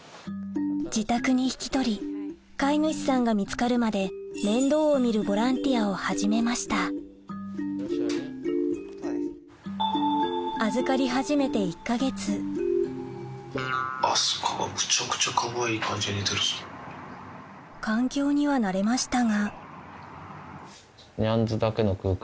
自宅に引き取り飼い主さんが見つかるまで面倒を見るボランティアを始めました環境には慣れましたがニャンズだけの空間。